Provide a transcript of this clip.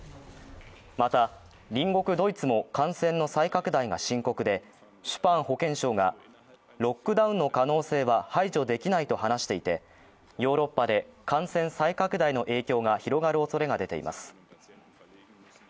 また、隣国ドイツも感染の再拡大が深刻で、シュパーン保健相がロックダウンの可能性は排除できないと話していてヨーロッパで感染再拡大の影響が広がるおそれが出ています。